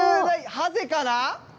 ハゼかな？